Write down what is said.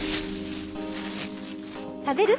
食べる？